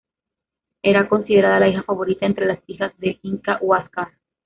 Era considerada la hija favorita entre las hijas del inca Huáscar.